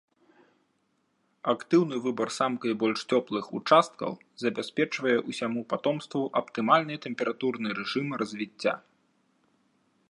Актыўны выбар самкай больш цёплых участкаў забяспечвае ўсяму патомству аптымальны тэмпературны рэжым развіцця.